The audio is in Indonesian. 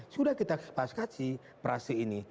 sudah kita pas kasi prase ini